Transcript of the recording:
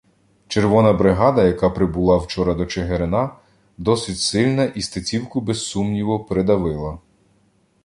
Червона бригада, яка прибула вчора до Чигирина, досить сильна і Стецівку, без сумніву, придавила.